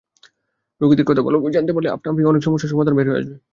রোগীদের কথা ভালোভাবে জানতে পারলে আপনাআপনিই অনেক সমস্যার সমাধান বের হয়ে আসবে।